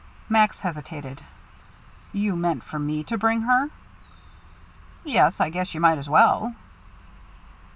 Max hesitated. "You meant for me to bring her?" "Yes, I guess you might as well."